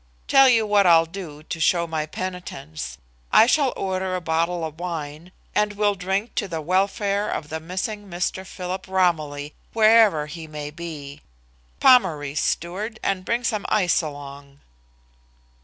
Tell you what I'll do to show my penitence. I shall order a bottle of wine, and we'll drink to the welfare of the missing Mr. Philip Romilly, wherever he may be. Pommery, steward, and bring some ice along."